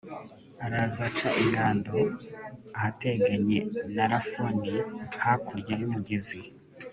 araza aca ingando ahateganye na rafoni hakurya y'umugezi